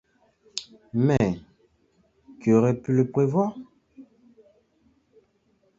Mais, qui aurait pu le prévoir !